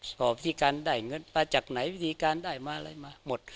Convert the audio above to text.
สอบวิธีการได้เงินมาจากไหนวิธีการได้มาอะไรมาหมด